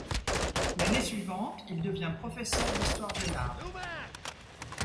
L'année suivante, il devient professeur d'histoire de l'art.